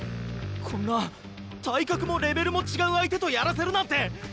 こんな体格もレベルも違う相手とやらせるなんて！